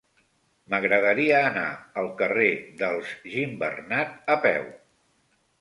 M'agradaria anar al carrer dels Gimbernat a peu.